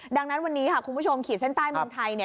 ดังนั้นวันนี้ค่ะคุณผู้ชมขีดเส้นใต้เมืองไทยเนี่ย